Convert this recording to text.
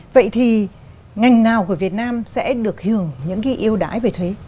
vậy thì ngành nào của việt nam sẽ được hưởng những cái yêu đái về thuế